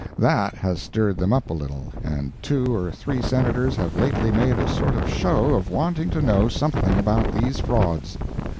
That has stirred them up a little and two or three Senators have lately made a sort of show of wanting to know something about these frauds.